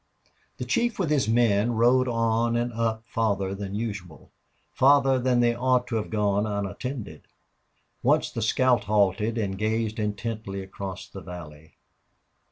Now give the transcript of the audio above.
The chief with his men rode on and up farther than usual; farther than they ought to have gone unattended. Once the scout halted and gazed intently across the valley.